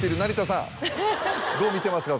どう見てますか？